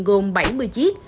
gồm bảy mươi chiếc